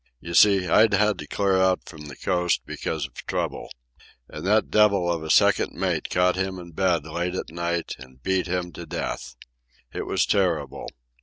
You see, I'd had to clear out from the coast because of trouble. And that devil of a second mate caught him in bed late at night and beat him to death. It was terrible.